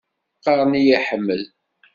Qqaren-iyi Ḥmed.